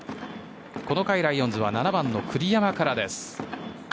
この回、ライオンズは７番の栗山から。